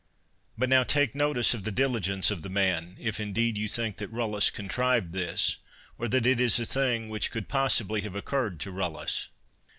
But now take notice of the diligence of the man, if indeed you think that Rullus contrived this, or that it is a thing which could possibly have occurred to Rullus.